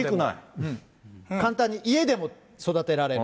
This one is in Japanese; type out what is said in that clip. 簡単に家でも育てられる。